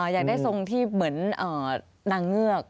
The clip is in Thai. อยากได้ทรงที่เหมือนนางเงือก